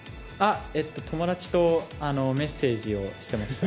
友達とメッセージをしていました。